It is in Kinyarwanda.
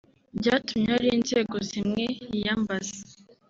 byatumye hari inzego zimwe yiyambaza